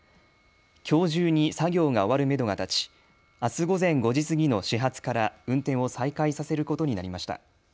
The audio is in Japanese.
きょう中に作業が終わるめどが立ちあす午前５時過ぎの始発から、運転を再開させることになりました。